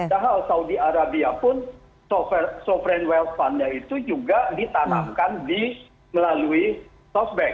padahal saudi arabia pun sovereign wealth fund nya itu juga ditanamkan di melalui softbank